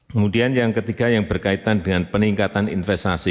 kemudian yang ketiga yang berkaitan dengan peningkatan investasi